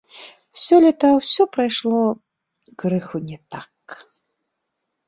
Сёлета ўсё прайшло крыху не так.